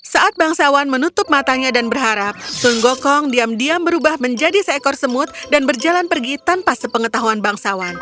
saat bangsawan menutup matanya dan berharap sun gokong diam diam berubah menjadi seekor semut dan berjalan pergi tanpa sepengetahuan bangsawan